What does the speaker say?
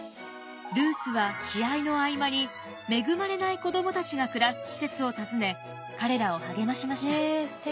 ルースは試合の合間に恵まれない子どもたちが暮らす施設を訪ね彼らを励ましました。